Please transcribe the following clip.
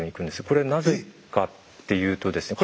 これなぜかっていうとですね